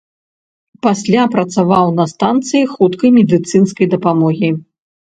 Пасля працаваў на станцыі хуткай медыцынскай дапамогі.